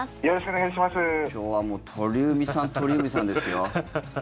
今日はもう鳥海さん、鳥海さんですよ。